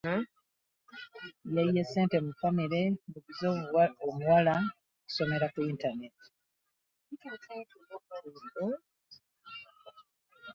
Yayiye ssente mu famire buguze omuwala okusomera ku yintaneeti.